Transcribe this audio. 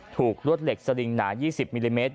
รวดเหล็กสลิงหนา๒๐มิลลิเมตร